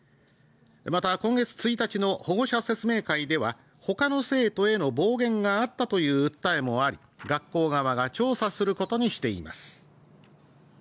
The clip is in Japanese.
また今月１日の保護者説明会では他の生徒への暴言があったという訴えもあり、学校側が調査することにしています。